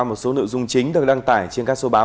một số nội dung chính được đăng tải trên các số báo